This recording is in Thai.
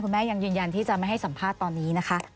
แม่ยังยืนยันที่จะไม่ให้สัมภาษณ์ตอนนี้นะคะ